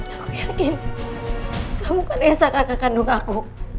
aku yakin kamu kan esa kakak kandung aku